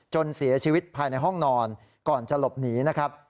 จนเสียชีวิตภายในห้องนอนก่อนจะหลบหนีนะครับ